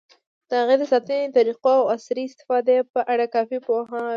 د هغې د ساتنې طریقو، او عصري استفادې په اړه کافي پوهاوی نه لري.